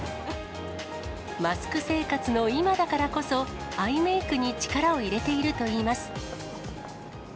マスク生活の今だからこそ、アイメークに力を入れているといいます。